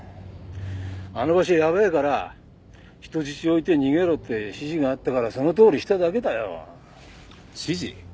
あの場所はやべえから人質を置いて逃げろって指示があったからそのとおりにしただけだよ。指示？